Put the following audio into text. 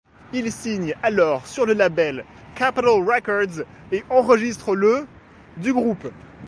Ils signent alors sur le label Capitol Records et enregistrent le du groupe.